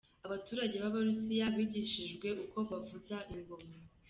Abaturage b’Abarusiya bigishijwe uko bavuza ingoma.